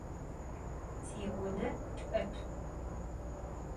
Tiune ç'ep.